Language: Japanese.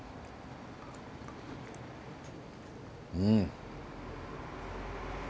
うん。